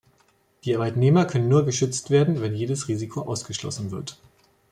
Die Arbeitnehmer können nur geschützt werden, wenn jedes Risiko ausgeschlossen wird.